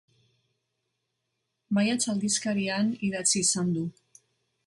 Maiatz aldizkarian idatzi izan du.